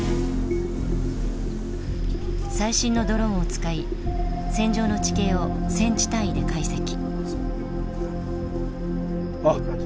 最新のドローンを使い戦場の地形をセンチ単位で解析。